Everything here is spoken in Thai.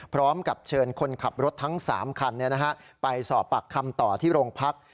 พร้อมกับเชิญคนขับรถทั้งสามคันเนี่ยนะฮะไปสอบปักคำต่อที่โรงพักษณ์